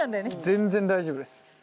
全然大丈夫です